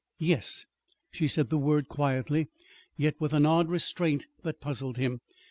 "Yes." She said the word quietly, yet with an odd restraint that puzzled him.